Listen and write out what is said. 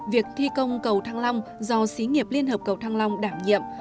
việc thi công cầu thăng long do xí nghiệp liên hợp cầu thăng long đảm nhiệm